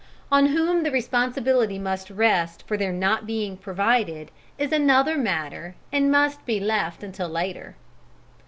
On whom the responsibility must rest for their not being provided is another matter and must be left until later.